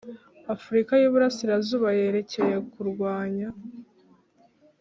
Afurika y Iburasirazuba yerekeye kurwanya